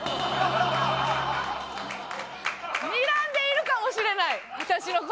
にらんでいるかもしれない私の事。